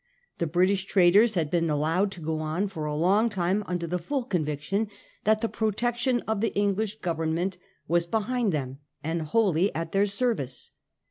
The British traders had been allowed to go on for a long time under the full conviction that the protection of the English Government was behind them and wholly at their service.